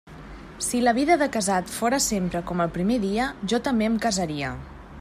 Si la vida de casat fóra sempre com el primer dia, jo també em casaria.